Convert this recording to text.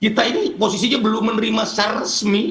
kita ini posisinya belum menerima secara resmi